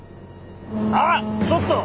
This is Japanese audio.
あっ！